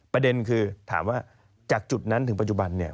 ประเด็นคือถามว่าจากจุดนั้นถึงปัจจุบันเนี่ย